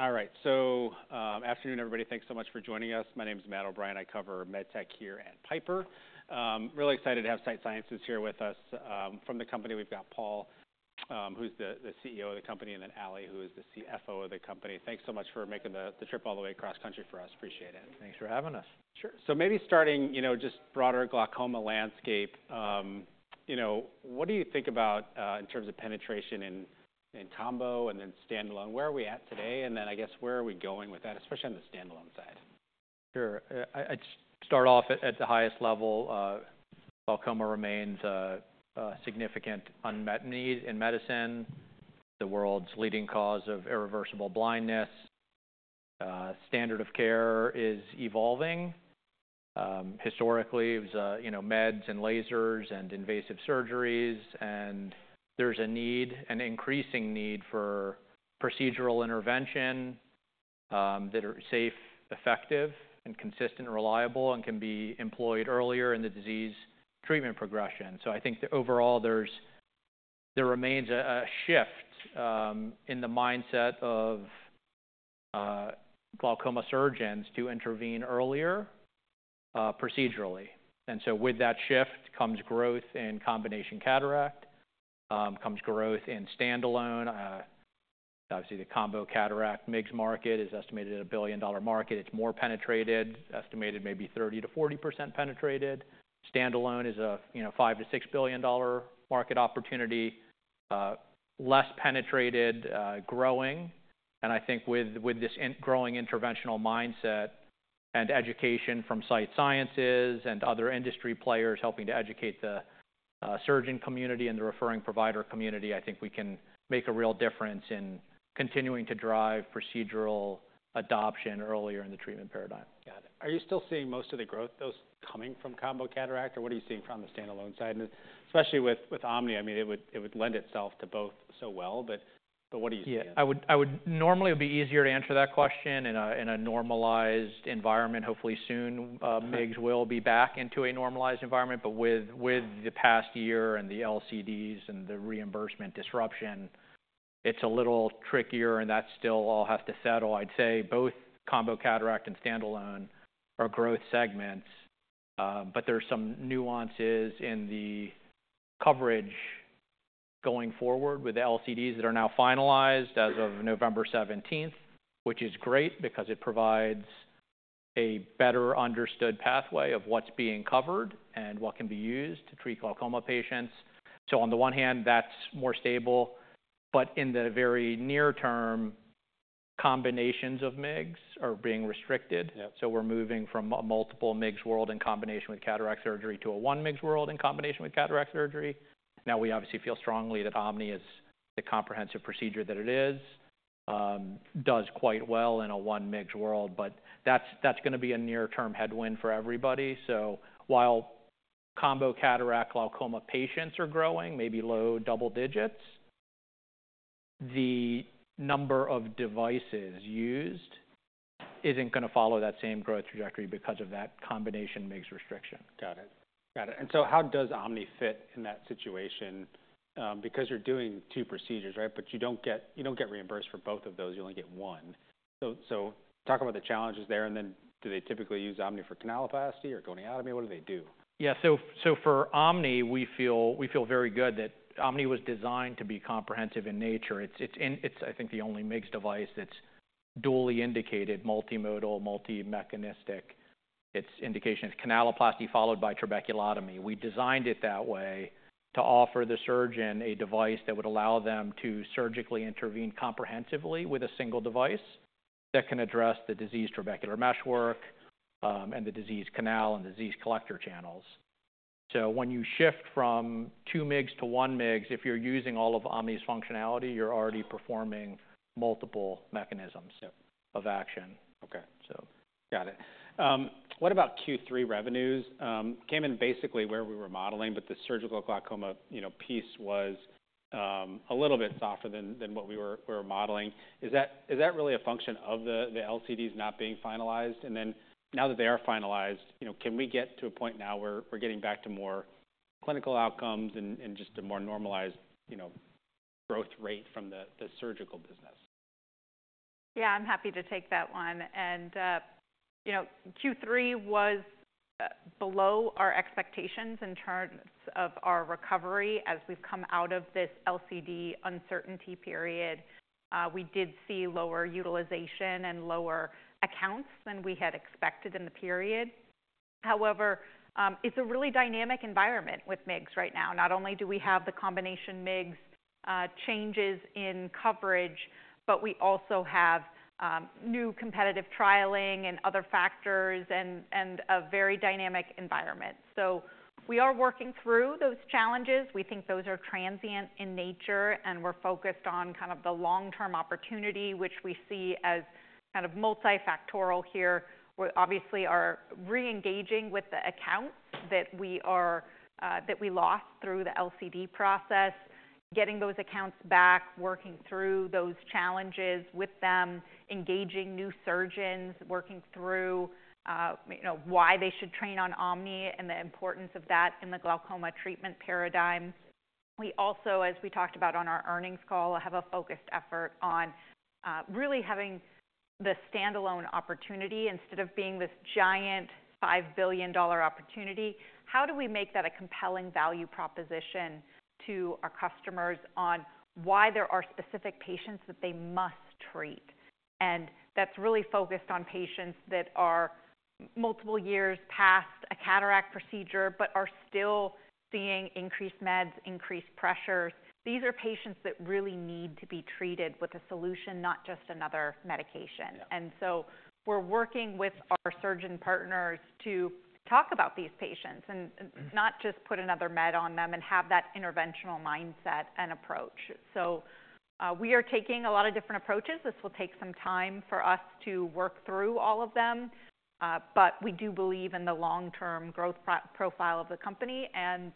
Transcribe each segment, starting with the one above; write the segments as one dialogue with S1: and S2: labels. S1: All right. Good afternoon, everybody. Thanks so much for joining us. My name's Matt O'Brien. I cover MedTech here at Piper. I'm really excited to have Sight Sciences here with us. From the company, we've got Paul, who's the CEO of the company, and then Ali, who is the CFO of the company. Thanks so much for making the trip all the way across the country for us. Appreciate it.
S2: Thanks for having us.
S1: Sure. So maybe starting, you know, just broader glaucoma landscape, you know, what do you think about, in terms of penetration in, in combo and then standalone? Where are we at today? And then I guess where are we going with that, especially on the standalone side?
S2: Sure. I start off at the highest level. Glaucoma remains a significant unmet need in medicine. It's the world's leading cause of irreversible blindness. Standard of care is evolving. Historically, it was, you know, meds and lasers and invasive surgeries, and there's a need, an increasing need for procedural intervention that are safe, effective, and consistent and reliable, and can be employed earlier in the disease treatment progression. So I think that overall there remains a shift in the mindset of glaucoma surgeons to intervene earlier, procedurally. And so with that shift comes growth in combination cataract, comes growth in standalone. Obviously the combo cataract MIGS market is estimated at a billion-dollar market. It's more penetrated, estimated maybe 30%-40% penetrated. Standalone is a, you know, five- to six-billion-dollar market opportunity, less penetrated, growing. I think with this increasing interventional mindset and education from Sight Sciences and other industry players helping to educate the surgeon community and the referring provider community, I think we can make a real difference in continuing to drive procedural adoption earlier in the treatment paradigm.
S1: Got it. Are you still seeing most of the growth, those coming from combo cataract, or what are you seeing from the standalone side? And especially with OMNI, I mean, it would lend itself to both so well, but what are you seeing?
S2: Yeah. I would normally it would be easier to answer that question in a normalized environment, hopefully soon. MIGS will be back into a normalized environment, but with the past year and the LCDs and the reimbursement disruption, it's a little trickier and that's still all have to settle. I'd say both combo cataract and standalone are growth segments, but there's some nuances in the coverage going forward with the LCDs that are now finalized as of November 17th, which is great because it provides a better understood pathway of what's being covered and what can be used to treat glaucoma patients. So on the one hand, that's more stable, but in the very near term, combinations of MIGS are being restricted.
S1: Yep.
S2: So we're moving from a multiple MIGS world in combination with cataract surgery to a one MIGS world in combination with cataract surgery. Now we obviously feel strongly that OMNI is the comprehensive procedure that it is, does quite well in a one MIGS world, but that's, that's gonna be a near-term headwind for everybody. So while combo cataract glaucoma patients are growing, maybe low double digits, the number of devices used isn't gonna follow that same growth trajectory because of that combination MIGS restriction.
S1: Got it. And so how does OMNI fit in that situation? Because you're doing two procedures, right? But you don't get reimbursed for both of those. You only get one. So talk about the challenges there. And then do they typically use OMNI for canaloplasty or goniotomy? What do they do?
S2: Yeah. So for OMNI, we feel very good that OMNI was designed to be comprehensive in nature. It's, I think the only MIGS device that's dually indicated, multimodal, multi-mechanistic. It's indication of canaloplasty followed by trabeculotomy. We designed it that way to offer the surgeon a device that would allow them to surgically intervene comprehensively with a single device that can address the disease trabecular meshwork, and the disease canal and disease collector channels. So when you shift from two MIGS to one MIGS, if you're using all of OMNI's functionality, you're already performing multiple mechanisms.
S1: Yep.
S2: Of action.
S1: Okay. So. Got it. What about Q3 revenues? Came in basically where we were modeling, but the surgical glaucoma, you know, piece was a little bit softer than what we were modeling. Is that really a function of the LCDs not being finalized? And then now that they are finalized, you know, can we get to a point now where we're getting back to more clinical outcomes and just a more normalized, you know, growth rate from the surgical business?
S3: Yeah. I'm happy to take that one. And, you know, Q3 was below our expectations in terms of our recovery as we've come out of this LCD uncertainty period. We did see lower utilization and lower accounts than we had expected in the period. However, it's a really dynamic environment with MIGS right now. Not only do we have the combination MIGS, changes in coverage, but we also have new competitive trialing and other factors, and a very dynamic environment. So we are working through those challenges. We think those are transient in nature, and we're focused on kind of the long-term opportunity, which we see as kind of multifactorial here. We're obviously re-engaging with the accounts that we are, that we lost through the LCD process, getting those accounts back, working through those challenges with them, engaging new surgeons, working through, you know, why they should train on OMNI and the importance of that in the glaucoma treatment paradigm. We also, as we talked about on our earnings call, have a focused effort on, really having the standalone opportunity instead of being this giant $5 billion opportunity. How do we make that a compelling value proposition to our customers on why there are specific patients that they must treat? and that's really focused on patients that are multiple years past a cataract procedure, but are still seeing increased meds, increased pressures. These are patients that really need to be treated with a solution, not just another medication.
S1: Yeah.
S3: We're working with our surgeon partners to talk about these patients and not just put another med on them and have that interventional mindset and approach. We are taking a lot of different approaches. This will take some time for us to work through all of them, but we do believe in the long-term growth profile of the company and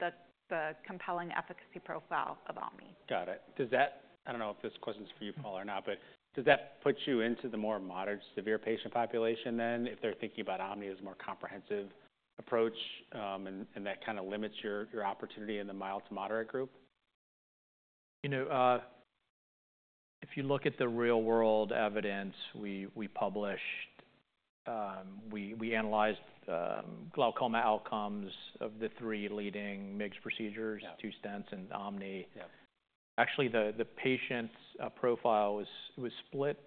S3: the compelling efficacy profile of OMNI.
S1: Got it. Does that, I don't know if this question's for you, Paul, or not, but does that put you into the more moderate to severe patient population then if they're thinking about OMNI as a more comprehensive approach, and that kind of limits your opportunity in the mild to moderate group?
S2: You know, if you look at the real-world evidence, we published, we analyzed glaucoma outcomes of the three leading MIGS procedures.
S1: Yeah.
S2: Two stents and OMNI.
S1: Yep.
S2: Actually, the patient's profile was split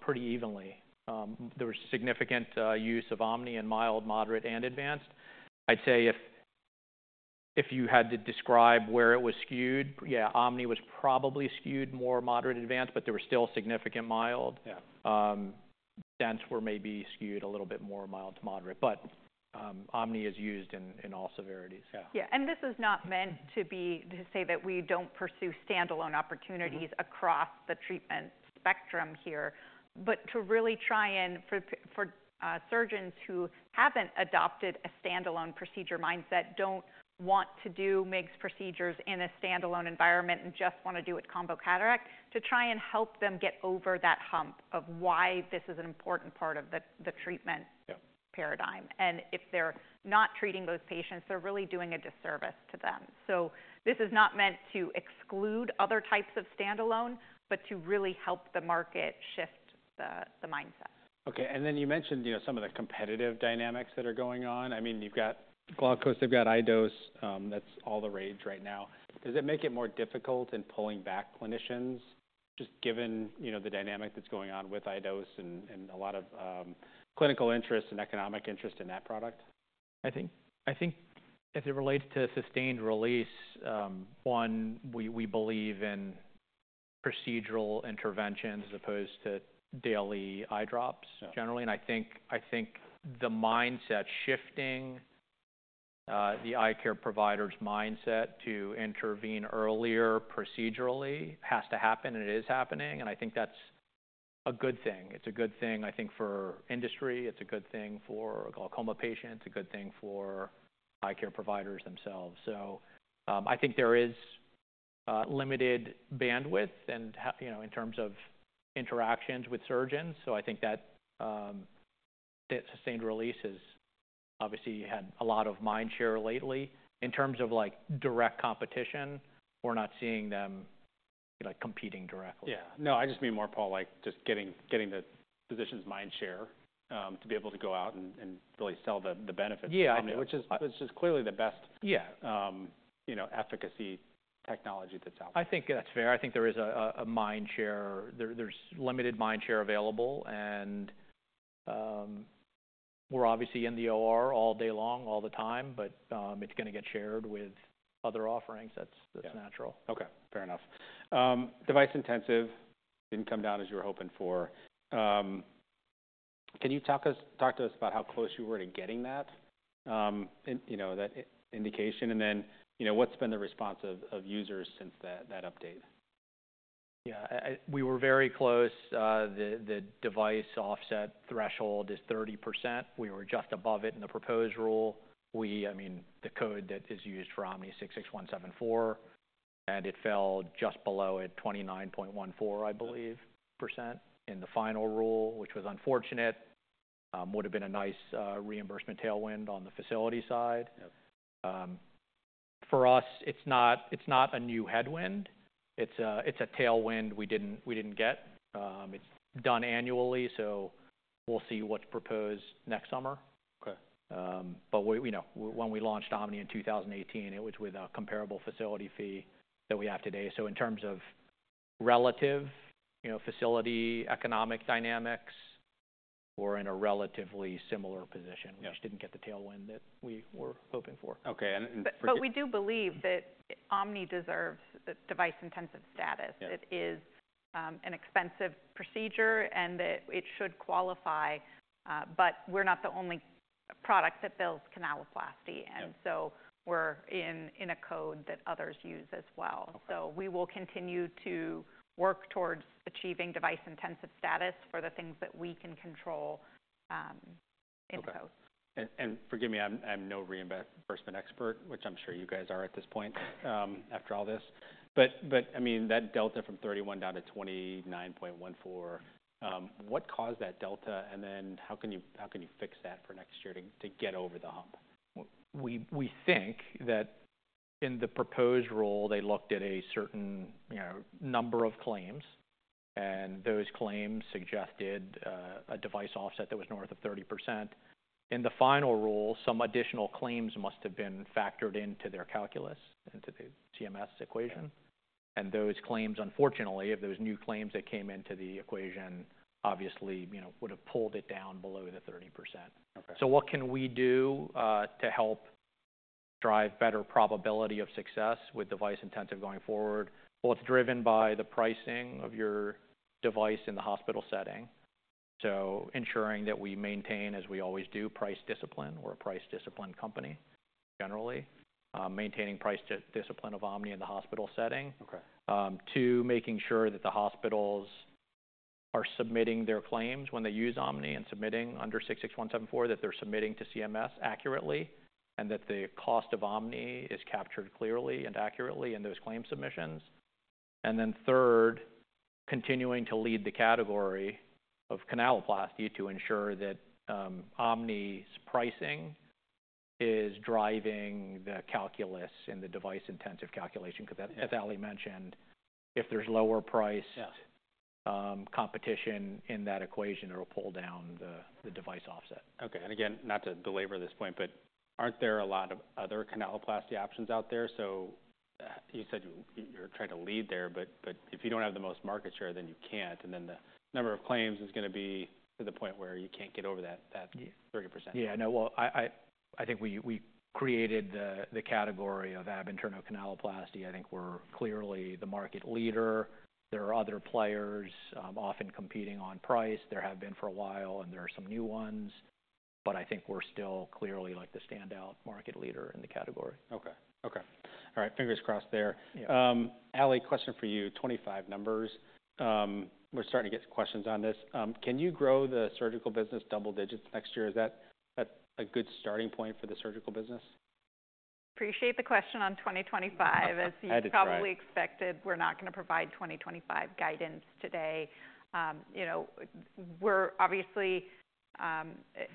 S2: pretty evenly. There was significant use of OMNI in mild, moderate, and advanced. I'd say if you had to describe where it was skewed, yeah, OMNI was probably skewed more moderate to advanced, but there were still significant mild.
S1: Yeah.
S2: Stents were maybe skewed a little bit more mild to moderate, but OMNI is used in all severities.
S1: Yeah.
S3: Yeah. And this is not meant to be to say that we don't pursue standalone opportunities across the treatment spectrum here, but to really try and for surgeons who haven't adopted a standalone procedure mindset, don't want to do MIGS procedures in a standalone environment and just wanna do it combo cataract, to try and help them get over that hump of why this is an important part of the treatment.
S1: Yep.
S3: Paradigm. And if they're not treating those patients, they're really doing a disservice to them. So this is not meant to exclude other types of standalone, but to really help the market shift the mindset.
S1: Okay. And then you mentioned, you know, some of the competitive dynamics that are going on. I mean, you've got Glaukos, they've got iDose, that's all the rage right now. Does it make it more difficult in pulling back clinicians just given, you know, the dynamic that's going on with iDose and a lot of clinical interest and economic interest in that product?
S2: I think as it relates to sustained release, we believe in procedural interventions as opposed to daily eye drops.
S1: Yeah.
S2: Generally, and I think, I think the mindset shifting, the eye care provider's mindset to intervene earlier procedurally has to happen, and it is happening, and I think that's a good thing. It's a good thing, I think, for industry. It's a good thing for a glaucoma patient. It's a good thing for eye care providers themselves, so I think there is limited bandwidth and, you know, in terms of interactions with surgeons, so I think that, that sustained release has obviously had a lot of mind share lately. In terms of like direct competition, we're not seeing them, you know, competing directly.
S1: Yeah. No, I just mean more, Paul, like just getting the physician's mind share, to be able to go out and really sell the benefits of OMNI.
S2: Yeah. Which is clearly the best.
S1: Yeah.
S2: You know, efficacy technology that's out there. I think that's fair. I think there is a mind share. There's limited mind share available. And, we're obviously in the OR all day long, all the time, but, it's gonna get shared with other offerings. That's, that's natural.
S1: Yeah. Okay. Fair enough. Device-intensive didn't come down as you were hoping for. Can you talk to us about how close you were to getting that, you know, that indication? And then, you know, what's been the response of users since that update?
S2: Yeah. We were very close. The device offset threshold is 30%. We were just above it in the proposed rule. I mean, the code that is used for OMNI 66174, and it fell just below at 29.14%, I believe, in the final rule, which was unfortunate. Would've been a nice reimbursement tailwind on the facility side.
S1: Yep.
S2: For us, it's not a new headwind. It's a tailwind we didn't get. It's done annually. So we'll see what's proposed next summer.
S1: Okay.
S2: But we, you know, when we launched OMNI in 2018, it was with a comparable facility fee that we have today. So in terms of relative, you know, facility economic dynamics, we're in a relatively similar position.
S1: Yeah.
S2: We just didn't get the tailwind that we were hoping for.
S1: Okay. And for.
S3: But we do believe that OMNI deserves device-intensive status.
S1: Yep.
S3: That is, an expensive procedure and that it should qualify, but we're not the only product that builds canaloplasty.
S1: Yep.
S3: And so we're in a code that others use as well.
S1: Okay.
S3: So we will continue to work towards achieving device-intensive status for the things that we can control, in post.
S1: Okay. Forgive me, I'm no reimbursement expert, which I'm sure you guys are at this point, after all this. But I mean, that delta from 31 down to 29.14, what caused that delta? And then how can you fix that for next year to get over the hump?
S2: We think that in the proposed rule, they looked at a certain, you know, number of claims, and those claims suggested a device offset that was north of 30%. In the final rule, some additional claims must have been factored into their calculus, into the CMS equation, and those claims, unfortunately, if those new claims that came into the equation obviously, you know, would've pulled it down below the 30%.
S1: Okay.
S2: So what can we do, to help drive better probability of success with device-intensive going forward? Well, it's driven by the pricing of your device in the hospital setting. So ensuring that we maintain, as we always do, price discipline. We're a price discipline company generally, maintaining price discipline of OMNI in the hospital setting.
S1: Okay.
S2: two, making sure that the hospitals are submitting their claims when they use OMNI and submitting under 66174, that they're submitting to CMS accurately and that the cost of OMNI is captured clearly and accurately in those claim submissions. And then third, continuing to lead the category of canaloplasty to ensure that OMNI's pricing is driving the calculus in the device-intensive calculation. 'Cause as Ali mentioned, if there's lower price.
S1: Yeah.
S2: competition in that equation, it'll pull down the device offset.
S1: Okay. And again, not to belabor this point, but aren't there a lot of other canaloplasty options out there? So you said you're trying to lead there, but if you don't have the most market share, then you can't. And then the number of claims is gonna be to the point where you can't get over that.
S2: Yeah.
S1: 30%.
S2: Yeah. No. Well, I think we created the category of ab interno canaloplasty. I think we're clearly the market leader. There are other players, often competing on price. There have been for a while, and there are some new ones. But I think we're still clearly like the standout market leader in the category.
S1: Okay. Okay. All right. Fingers crossed there.
S2: Yeah.
S1: Ali, question for you. 2025 numbers. We're starting to get questions on this. Can you grow the surgical business double digits next year? Is that a good starting point for the surgical business?
S3: Appreciate the question on 2025.
S1: Yeah.
S3: As you probably expected, we're not gonna provide 2025 guidance today. You know, we're obviously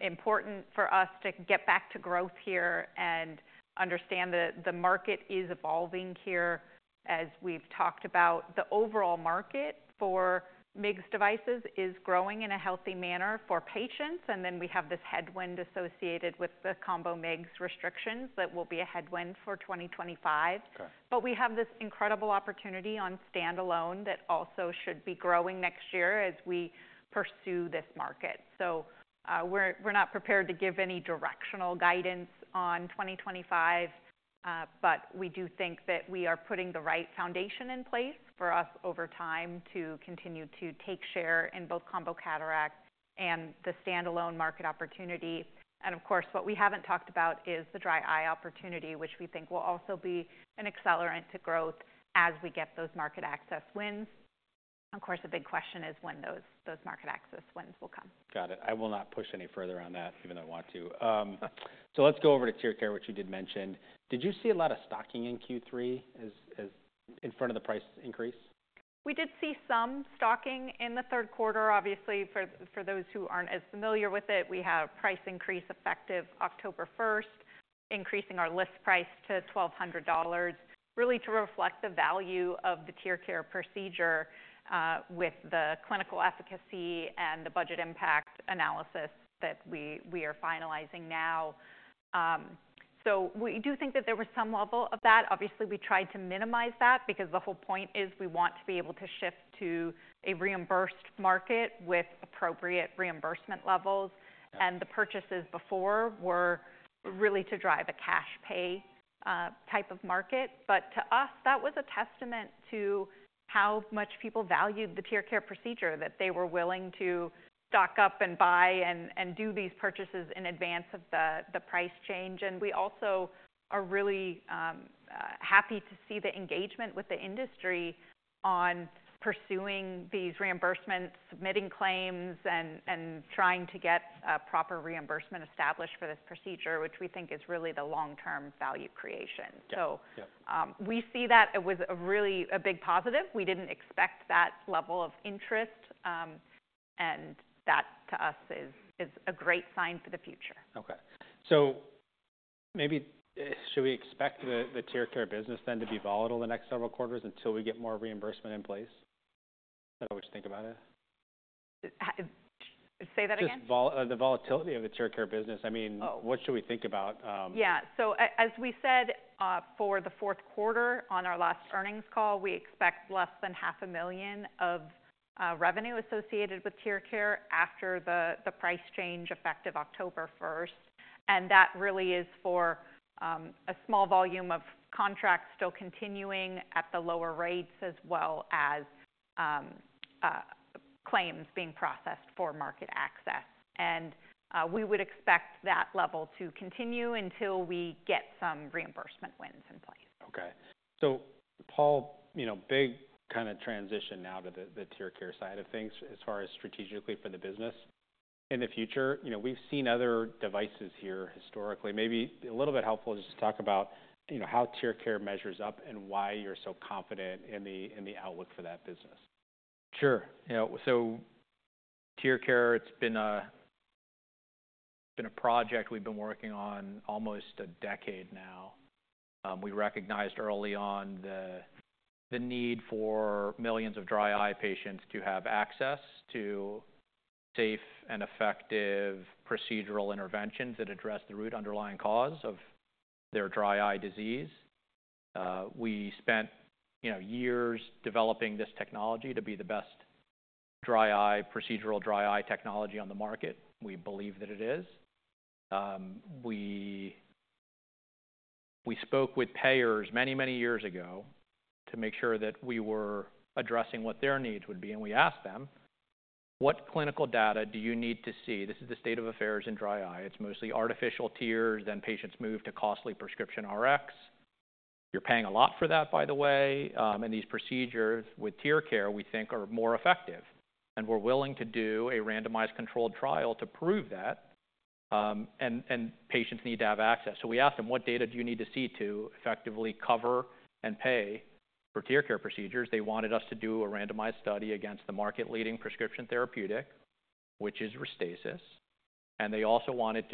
S3: important for us to get back to growth here and understand that the market is evolving here. As we've talked about, the overall market for MIGS devices is growing in a healthy manner for patients. And then we have this headwind associated with the combo MIGS restrictions that will be a headwind for 2025.
S1: Okay.
S3: But we have this incredible opportunity on standalone that also should be growing next year as we pursue this market. So, we're not prepared to give any directional guidance on 2025, but we do think that we are putting the right foundation in place for us over time to continue to take share in both combo cataract and the standalone market opportunity. And of course, what we haven't talked about is the dry eye opportunity, which we think will also be an accelerant to growth as we get those market access wins. Of course, the big question is when those market access wins will come.
S1: Got it. I will not push any further on that even though I want to. So let's go over to TearCare, which you did mention. Did you see a lot of stocking in Q3 as in front of the price increase?
S3: We did see some stocking in the third quarter. Obviously, for those who aren't as familiar with it, we have price increase effective October 1st, increasing our list price to $1,200, really to reflect the value of the TearCare procedure, with the clinical efficacy and the budget impact analysis that we are finalizing now, so we do think that there was some level of that. Obviously, we tried to minimize that because the whole point is we want to be able to shift to a reimbursed market with appropriate reimbursement levels.
S1: Okay.
S3: And the purchases before were really to drive a cash pay type of market. But to us, that was a testament to how much people valued the TearCare procedure, that they were willing to stock up and buy and do these purchases in advance of the price change. And we also are really happy to see the engagement with the industry on pursuing these reimbursements, submitting claims, and trying to get a proper reimbursement established for this procedure, which we think is really the long-term value creation.
S1: Yep.
S3: So, we see that it was really a big positive. We didn't expect that level of interest, and that to us is, is a great sign for the future.
S1: Okay. So maybe, should we expect the TearCare business then to be volatile the next several quarters until we get more reimbursement in place? Is that what you think about it?
S3: Say that again?
S1: Just the volatility of the TearCare business. I mean.
S3: Oh.
S1: What should we think about?
S3: Yeah. So as we said, for the fourth quarter on our last earnings call, we expect less than $500,000 of revenue associated with TearCare after the price change effective October 1st. And that really is for a small volume of contracts still continuing at the lower rates as well as claims being processed for market access. And we would expect that level to continue until we get some reimbursement wins in place.
S1: Okay, so Paul, you know, big kind of transition now to the TearCare side of things as far as strategically for the business in the future. You know, we've seen other devices here historically. Maybe a little bit helpful is just to talk about, you know, how TearCare measures up and why you're so confident in the outlook for that business.
S2: Sure. You know, so TearCare, it's been a project we've been working on almost a decade now. We recognized early on the need for millions of dry eye patients to have access to safe and effective procedural interventions that address the root underlying cause of their dry eye disease. We spent, you know, years developing this technology to be the best dry eye procedural dry eye technology on the market. We believe that it is. We spoke with payers many, many years ago to make sure that we were addressing what their needs would be. And we asked them, "What clinical data do you need to see? This is the state of affairs in dry eye. It's mostly artificial tears. Then patients move to costly prescription Rx. You're paying a lot for that, by the way. And these procedures with TearCare, we think, are more effective. And we're willing to do a randomized controlled trial to prove that. and patients need to have access. So we asked them, "What data do you need to see to effectively cover and pay for TearCare procedures?" They wanted us to do a randomized study against the market-leading prescription therapeutic, which is Restasis. And they also wanted us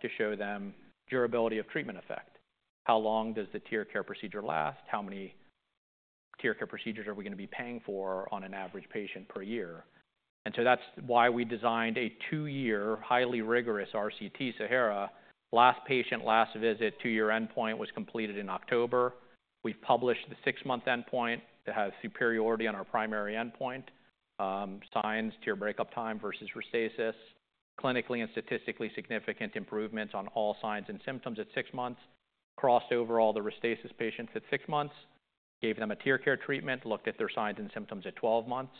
S2: to show them durability of treatment effect. How long does the TearCare procedure last? How many TearCare procedures are we gonna be paying for on an average patient per year? And so that's why we designed a two-year highly rigorous RCT, SAHARA. Last patient, last visit, two-year endpoint was completed in October. We've published the six-month endpoint that has superiority on our primary endpoint. signs, tear breakup time versus Restasis, clinically and statistically significant improvements on all signs and symptoms at six months, crossed over all the Restasis patients at six months, gave them a TearCare treatment, looked at their signs and symptoms at 12 months,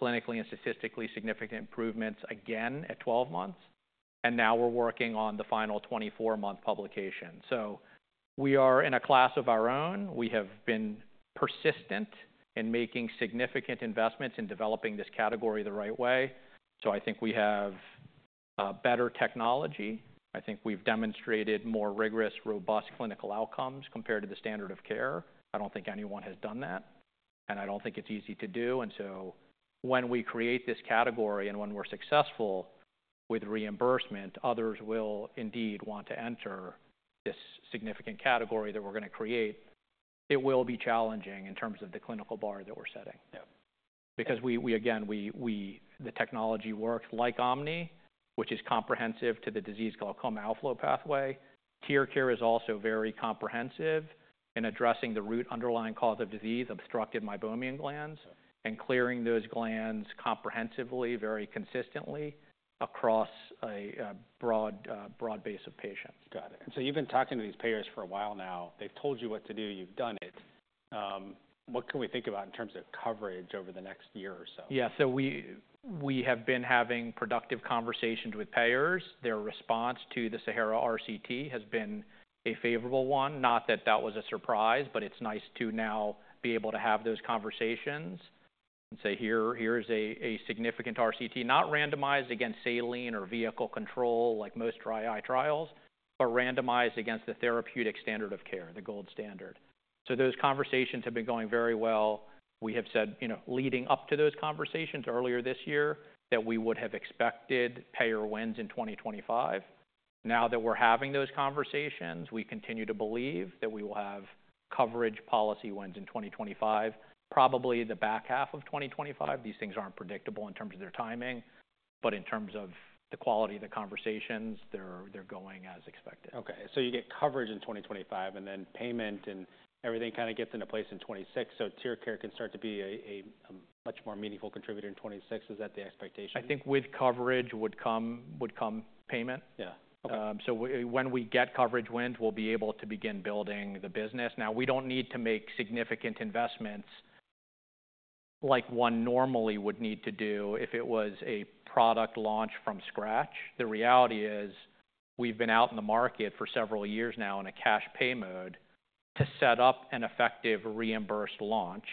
S2: clinically and statistically significant improvements again at 12 months, and now we're working on the final 24-month publication, so we are in a class of our own. We have been persistent in making significant investments in developing this category the right way, so I think we have better technology. I think we've demonstrated more rigorous, robust clinical outcomes compared to the standard of care. I don't think anyone has done that, and I don't think it's easy to do, and so when we create this category and when we're successful with reimbursement, others will indeed want to enter this significant category that we're gonna create. It will be challenging in terms of the clinical bar that we're setting.
S1: Yep.
S2: Because we again the technology works like OMNI, which is comprehensive to the disease glaucoma outflow pathway. TearCare is also very comprehensive in addressing the root underlying cause of disease, obstructed meibomian glands, and clearing those glands comprehensively, very consistently across a broad base of patients.
S1: Got it. And so you've been talking to these payers for a while now. They've told you what to do. You've done it. What can we think about in terms of coverage over the next year or so?
S2: Yeah. So we have been having productive conversations with payers. Their response to the SAHARA RCT has been a favorable one. Not that that was a surprise, but it's nice to now be able to have those conversations and say, "Here is a significant RCT," not randomized against saline or vehicle control like most dry eye trials, but randomized against the therapeutic standard of care, the gold standard. So those conversations have been going very well. We have said, you know, leading up to those conversations earlier this year that we would have expected payer wins in 2025. Now that we're having those conversations, we continue to believe that we will have coverage policy wins in 2025, probably the back half of 2025. These things aren't predictable in terms of their timing, but in terms of the quality of the conversations, they're going as expected.
S1: Okay. So you get coverage in 2025, and then payment and everything kind of gets into place in 2026. So TearCare can start to be a much more meaningful contributor in 2026. Is that the expectation?
S2: I think with coverage would come payment.
S1: Yeah. Okay.
S2: When we get coverage wins, we'll be able to begin building the business. Now, we don't need to make significant investments like one normally would need to do if it was a product launch from scratch. The reality is we've been out in the market for several years now in a cash pay mode to set up an effective reimbursed launch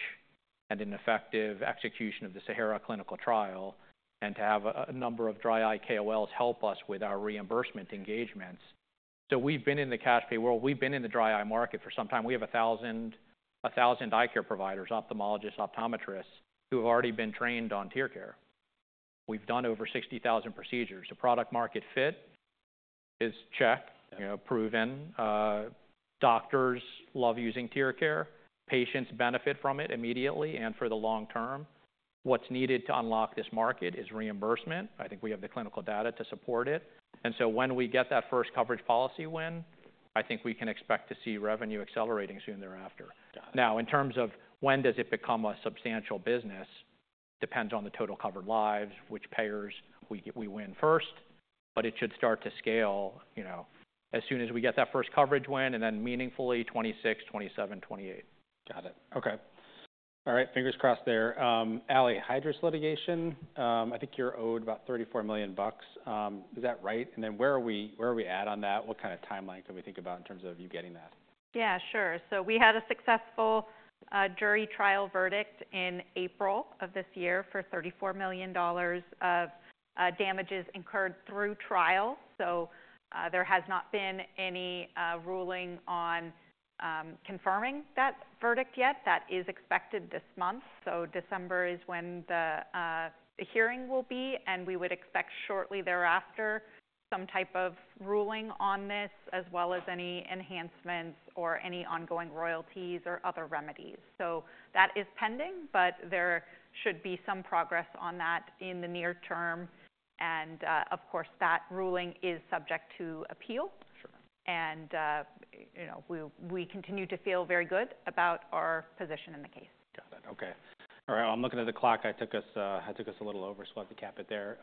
S2: and an effective execution of the SAHARA clinical trial and to have a number of dry eye KOLs help us with our reimbursement engagements. We've been in the cash pay world. We've been in the dry eye market for some time. We have 1,000 eye care providers, ophthalmologists, optometrists who have already been trained on TearCare. We've done over 60,000 procedures. The product-market fit is checked.
S1: Yeah.
S2: You know, proven. Doctors love using TearCare. Patients benefit from it immediately and for the long term. What's needed to unlock this market is reimbursement. I think we have the clinical data to support it. And so when we get that first coverage policy win, I think we can expect to see revenue accelerating soon thereafter.
S1: Got it.
S2: Now, in terms of when does it become a substantial business, depends on the total covered lives, which payers we win first. But it should start to scale, you know, as soon as we get that first coverage win and then meaningfully 2026, 2027, 2028.
S1: Got it. Okay. All right. Fingers crossed there. Ali, Hydrus litigation, I think you're owed about $34 million. Is that right? And then where are we at on that? What kind of timeline can we think about in terms of you getting that?
S3: Yeah, sure. So we had a successful jury trial verdict in April of this year for $34 million of damages incurred through trial. So there has not been any ruling on confirming that verdict yet. That is expected this month. So December is when the hearing will be. And we would expect shortly thereafter some type of ruling on this as well as any enhancements or any ongoing royalties or other remedies. So that is pending, but there should be some progress on that in the near term. And, of course, that ruling is subject to appeal.
S1: Sure.
S3: You know, we continue to feel very good about our position in the case.
S1: Got it. Okay. All right. I'm looking at the clock. I took us a little over. So I'll have to cap it there.